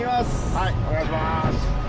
はいお願いします